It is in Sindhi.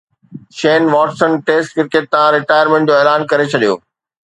شين واٽسن ٽيسٽ ڪرڪيٽ تان رٽائرمينٽ جو اعلان ڪري ڇڏيو